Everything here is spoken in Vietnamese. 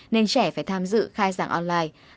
nên trẻ phải tham dự khai giảng online